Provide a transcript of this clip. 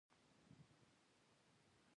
موږ ته هر مشر دشمن دی، چی په موږ یې رحم نه شی